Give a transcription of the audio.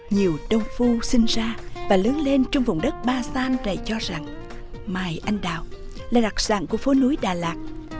nhiều đông phu sinh ra và lớn lên trong vùng đất ba san để cho rằng mai anh đào là đặc sản của phố núi đà lạt